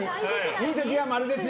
いい時は○ですよ。